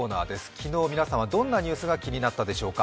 昨日皆さんはどんなニュースが気になったでしょうか。